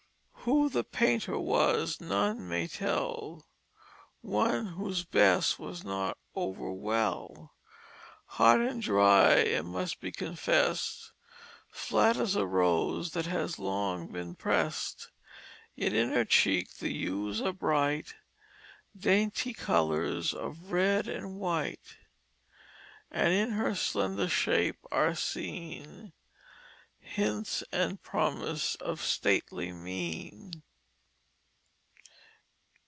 "Who the painter was none may tell, One whose best was not over well; Hard and dry it must be confessed, Flat as a rose that has long been pressed. Yet in her cheek the hues are bright, Dainty colors of red and white; And in her slender shape are seen Hint and promise of stately mien."